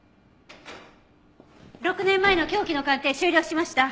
６年前の凶器の鑑定終了しました。